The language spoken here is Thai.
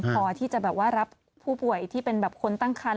พอที่จะแบบว่ารับผู้ป่วยที่เป็นแบบคนตั้งคัน